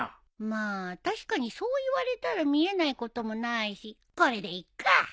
まあ確かにそう言われたら見えないこともないしこれでいっか！